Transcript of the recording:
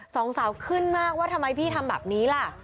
สองสาวขึ้นมากว่าทำไมพี่ทำแบบนี้ล่ะ